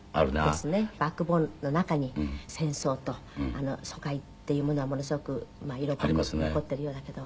バックボーンの中に戦争と疎開っていうものはものすごく色濃く残っているようだけど。